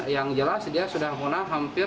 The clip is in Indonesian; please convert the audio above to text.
yang jelas dia sudah punah hampir